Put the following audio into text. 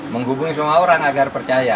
menghubungi semua orang agar percaya